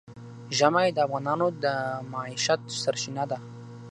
ژمی د افغانانو د معیشت سرچینه ده.